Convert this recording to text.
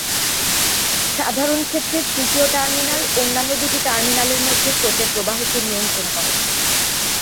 সাধারণ ক্ষেত্রে, তৃতীয় টার্মিনাল অন্যান্য দুটি টার্মিনালের মধ্যে স্রোতের প্রবাহকে নিয়ন্ত্রণ করে।